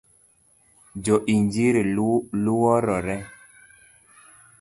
Jo injili luorore